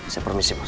siap permisi bos